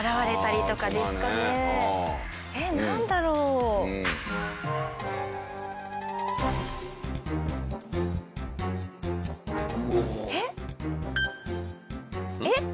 えっなんだろう？えっ？えっ！？